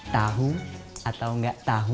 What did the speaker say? tahu atau gak tahu